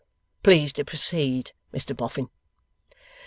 Please to proceed, Mr Boffin.